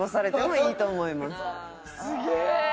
すげえ！